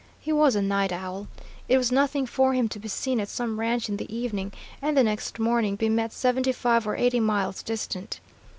He was a night owl. It was nothing for him to be seen at some ranch in the evening, and the next morning be met seventy five or eighty miles distant.